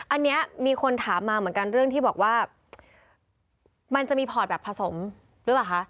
อันนี้มีคนถามมาเหมือนกันเรื่องที่บอกว่ามันจะมีพอร์ตแบบผสมหรือเปล่าคะ